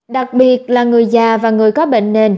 đặc biệt là người già và người có bệnh nền